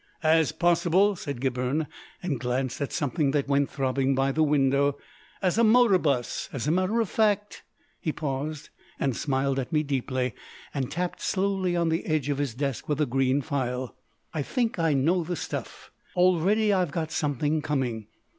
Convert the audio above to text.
"As possible," said Gibberne, and glanced at something that went throbbing by the window, "as a motor bus. As a matter of fact " He paused and smiled at me deeply, and tapped slowly on the edge of his desk with the green phial. "I think I know the stuff.... Already I've got something coming."